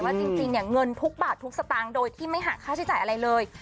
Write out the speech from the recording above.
จริงเนี่ยเงินทุกบาททุกสตางค์โดยที่ไม่หักค่าใช้จ่ายอะไรเลย